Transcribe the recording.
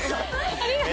ありがとう。